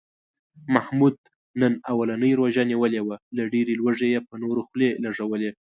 محمود نن اولنۍ روژه نیولې وه، له ډېرې لوږې یې په نورو خولې لږولې.